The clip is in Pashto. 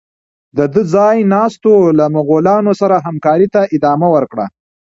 د ده ځای ناستو له مغولانو سره همکارۍ ته ادامه ورکړه.